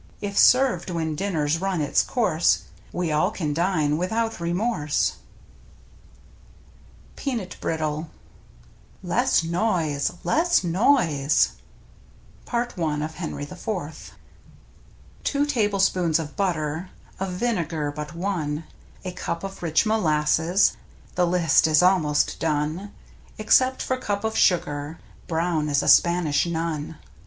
If served when dinner's run its course, We all can dine without Remorse. ^^ 53 /JS 5/ M^smtn MmCuts ^ PEANUT BRITTLE Less noise, less noise. — I Henry IV. Two tablespoons of butter, Of vinegar but one, A cup of rich molasses — The list is almost done — Except for cup of sugar. Brown as a Spanish nun.